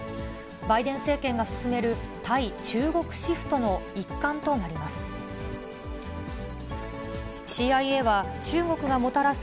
バイデン政権が進める対中国シフトの一環となります。